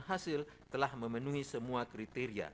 hasil telah memenuhi semua kriteria